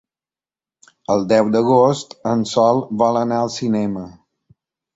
El deu d'agost en Sol vol anar al cinema.